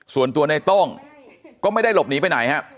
ส่วนตัวในโต้งก็ไม่ได้หลบหนีไปไหนครับ